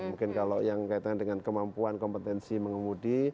mungkin kalau yang kaitannya dengan kemampuan kompetensi mengemudi